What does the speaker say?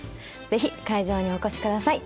ぜひ会場にお越しください。